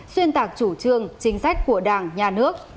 xuyên tạc chủ trương chính sách của đảng nhà nước